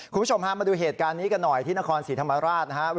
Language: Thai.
คุณผู้ชมพามาดูเหตุการณ์นี้กันหน่อยที่นครศรีธรรมราชนะครับ